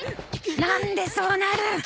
なんでそうなる。